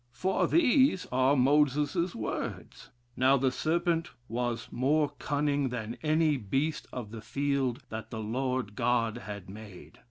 For these are Moses's words: 'Now the serpent was more cunning than any beast of the field that the Lord God had made.'